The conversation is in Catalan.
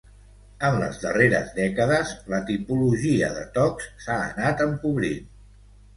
En les darreres dècades, la tipologia de tocs s'ha anat empobrint.